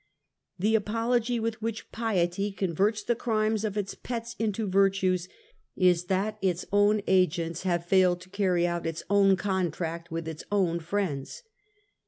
The apology with which piety converts the crimes of its pets into virtues, is that its own agents have failed to carry out its own contract with its own friends.